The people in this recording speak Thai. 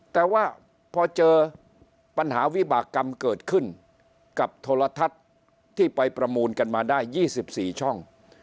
แต่ว่าพอเจอปัญหาวิบากรรมเกิดขึ้นกับโทรทัศน์ที่ไปประมูลกันมาได้๒๔ช่อง